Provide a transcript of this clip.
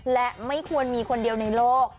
และไม่ควรมีคนเดียวในโลก